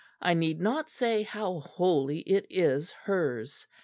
I need not say how wholly it is hers.